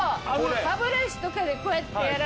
歯ブラシとかでこうやってやらな。